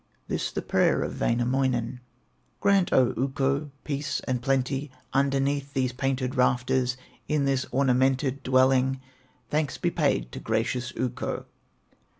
This the prayer of Wainamoinen: "Grant, O Ukko, peace and plenty Underneath these painted rafters, In this ornamented dwelling; Thanks be paid to gracious Ukko!"